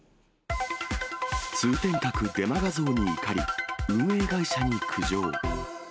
通天閣デマ画像に怒り、運営会社に苦情。